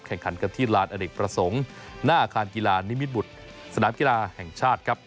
แข่งขันกันที่ลานอเนกประสงค์หน้าอาคารกีฬานิมิตบุตรสนามกีฬาแห่งชาติครับ